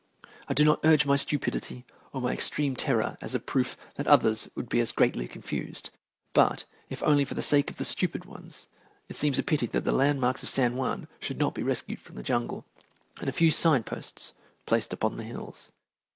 I do not urge my stupidity or my extreme terror as a proof that others would be as greatly confused, but, if only for the sake of the stupid ones, it seems a pity that the landmarks of San Juan should not be rescued from the jungle, and a few sign posts placed upon the hills.